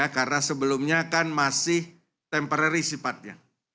karena sebelumnya kan masih temporary sifatnya